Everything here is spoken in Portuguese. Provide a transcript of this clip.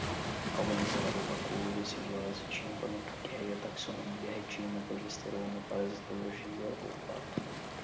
galvanizado, vacúolo, simbiose, tímpano, traqueia, taxonomia, retina, progesterona, parasitologia, olfato